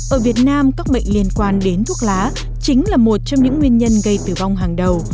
ở việt nam các bệnh liên quan đến thuốc lá chính là một trong những nguyên nhân gây tử vong hàng đầu